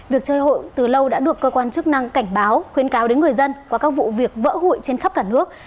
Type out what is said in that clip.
việc chơi hụi từ lâu đã được cơ quan chức năng cảnh báo khuyến cáo đến người dân qua các vụ việc vỡ hụi trên khắp cả nước